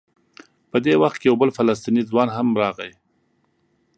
په دې وخت کې یو بل فلسطینی ځوان هم راغی.